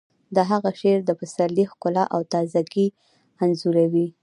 د هغه شعر د پسرلي ښکلا او تازه ګي انځوروي